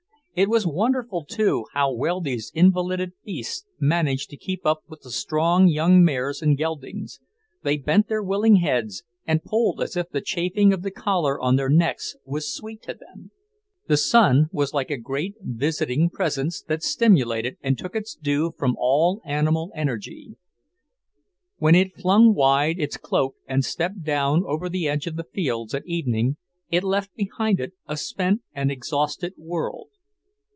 It was wonderful, too, how well these invalided beasts managed to keep up with the strong young mares and geldings; they bent their willing heads and pulled as if the chafing of the collar on their necks was sweet to them. The sun was like a great visiting presence that stimulated and took its due from all animal energy. When it flung wide its cloak and stepped down over the edge of the fields at evening, it left behind it a spent and exhausted world.